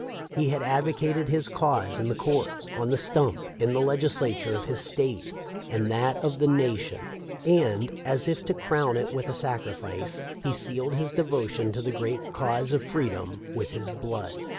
He had advocated his cause in the courts, on the stump, in the Legislature of his State and that of the nation, and, as if to crown it with a sacrifice, he sealed his devotion to the great cause of freedom with his blood.